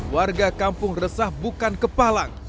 warga kampung resah bukan kepalang